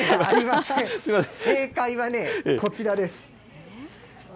正解はこちらです。